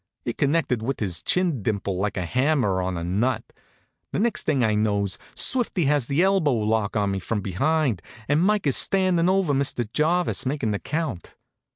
It connected with his chin dimple like a hammer on a nut. The next thing I knows Swifty has the elbow lock on me from behind, and Mike is standin' over Mr. Jarvis makin' the count.